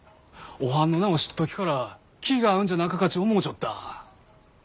おはんの名を知った時から気が合うんじゃなかかち思うちょった。